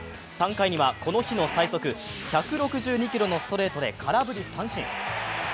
３回にはこの日の最速１６２ｋｍのストレートで空振り三振。